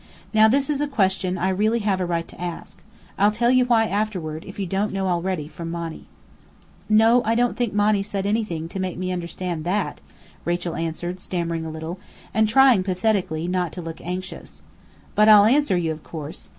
Now, this is a question I really have a right to ask. I'll tell you why afterward, if you don't know already from Monny." "No, I don't think Monny's said anything to make me understand that," Rachel answered, stammering a little, and trying pathetically not to look anxious. "But I'll answer you, of course.